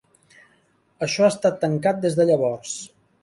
Això ha estat tancat des de llavors.